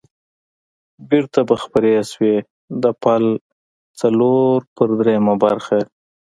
بېرته به خپرې شوې، د پل څلور پر درېمه برخه.